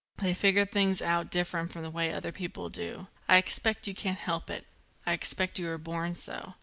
They figure things out different from the way other people do. I expect you can't help it. I expect you were born so.